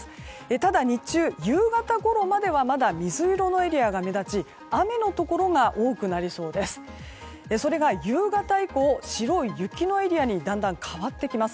ただ、日中は夕方ごろまではまだ水色のエリアが目立ち雨のところが多くなりそうです。